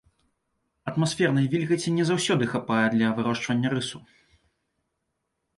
Атмасфернай вільгаці не заўсёды хапае для вырошчвання рысу.